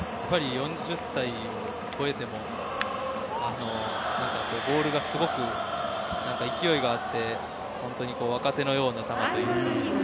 ４０歳を超えてもボールがすごく勢いがあって本当に若手のような球というか。